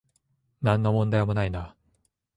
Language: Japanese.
なんの問題もないな